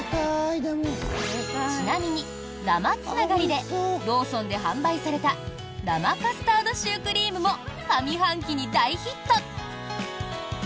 ちなみに生つながりでローソンで販売された生カスタードシュークリームも上半期に大ヒット。